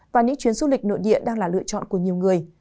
và những chuyến du lịch nội địa đang là lựa chọn của nhiều người